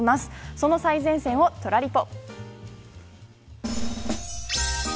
その最前線をトラリポ！